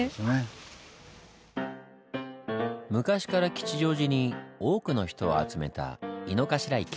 昔から吉祥寺に多くの人を集めた井の頭池。